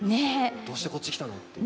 どうしてこっち来たのって。